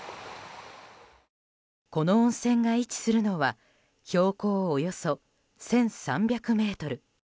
この温泉が位置するのは標高およそ１３００ｍ。